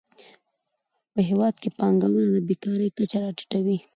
په هیواد کې پانګونه د بېکارۍ کچه راټیټوي.